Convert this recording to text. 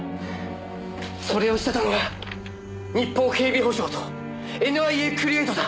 それをしてたのが日邦警備保障とＮＩＡクリエイトだ。